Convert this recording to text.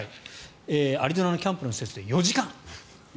アリゾナのキャンプの施設で４時間。